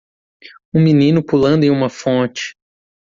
Um menino pulando em uma fonte.